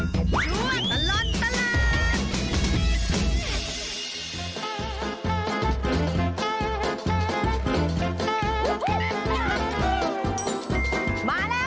ช่วยตลอดตลาด